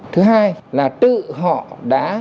thứ hai là tự họ đã